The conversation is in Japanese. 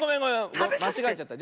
まちがえちゃった。